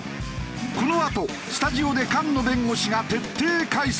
このあとスタジオで菅野弁護士が徹底解説！